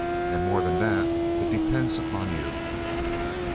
And more than that, it depends upon you.